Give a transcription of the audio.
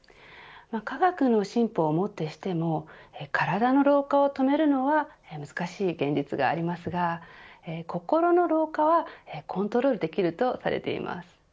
科学の進歩をもってしても体の老化を止めるのは難しい現実がありますが心の老化はコントロールできるとされています。